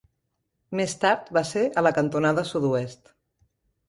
Més tard va ser a la cantonada sud-oest.